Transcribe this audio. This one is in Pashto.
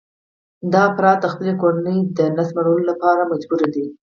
دا افراد د خپلې کورنۍ د ګېډې مړولو لپاره مجبور دي